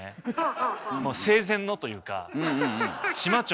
生前のというか。